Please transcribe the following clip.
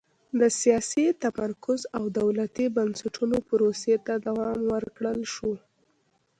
د سیاسي تمرکز او دولتي بنسټونو پروسې ته دوام ورکړل شوه.